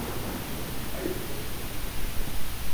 Hayır yoktu.